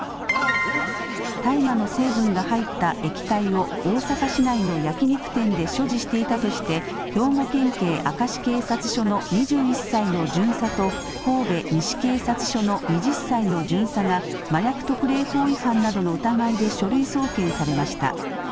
大麻の成分が入った液体を大阪市内の焼き肉店で所持していたとして、兵庫県警明石警察署の２１歳の巡査と、神戸西警察署の２０歳の巡査が、麻薬特例法違反などの疑いで書類送検されました。